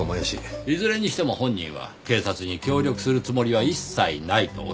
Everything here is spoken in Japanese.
いずれにしても本人は警察に協力するつもりは一切ないと仰ってましたねぇ。